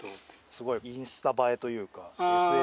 すごいインスタ映えというか。